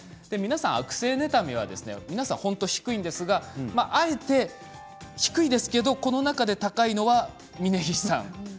悪性妬みは皆さん本当に低いんですがあえて低いですけどこの中で高いのは峯岸さんですね。